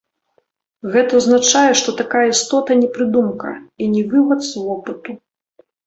Гэта азначае, што такая істота не прыдумка, і не вывад з вопыту.